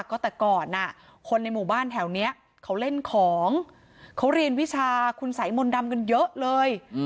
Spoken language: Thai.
ก็แต่ก่อนคนในหมู่บ้านแถวนี้เขาเล่นของเขาเรียนวิชาคุณสัยมนต์ดำกันเยอะเลย